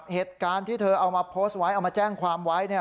เหตุการณ์ที่เธอเอามาโพสต์ไว้เอามาแจ้งความไว้เนี่ย